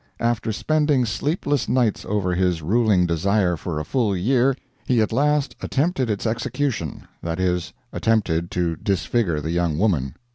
After spending sleepless nights over his ruling desire for a full year, he at last attempted its execution that is, attempted to disfigure the young woman.